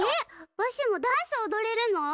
わしもダンスおどれるの？